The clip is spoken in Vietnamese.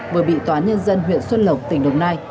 vừa bị tòa nhân dân huyện xuân lộc tỉnh đồng nai